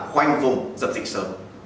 khoanh vùng dập dịch sớm